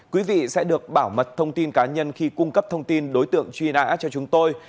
quý vị sẽ được bảo mật thông tin cá nhân khi cung cấp thông tin đối tượng truy nã cho chúng tôi